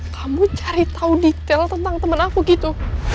kamu cari tahu detail tentang temen aku gitu